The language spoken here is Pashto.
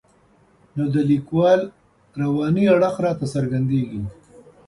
نو د لیکوال رواني اړخ راته څرګندېږي.